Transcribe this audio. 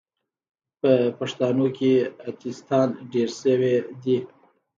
په پښتانو کې اتیستان ډیر سوې دي